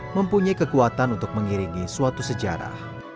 mempunyai kekuatan untuk mengiringi suatu sejarah